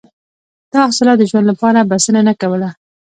دا حاصلات د ژوند لپاره بسنه نه کوله.